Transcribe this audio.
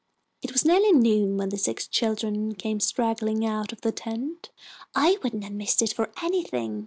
It was nearly noon when the six children came straggling out of the tent. "I wouldn't have missed it for anything!"